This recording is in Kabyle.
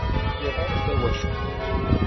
Ur liɣ ara tawacult.